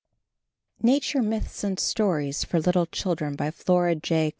_ NATURE MYTHS AND STORIES FOR LITTLE CHILDREN BY FLORA J.